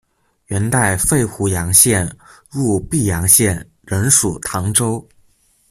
元代废湖阳县入泌阳县仍属唐州。